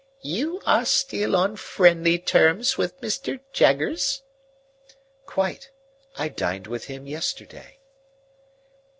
"You are still on friendly terms with Mr. Jaggers?" "Quite. I dined with him yesterday."